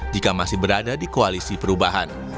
jika masih berada di koalisi perubahan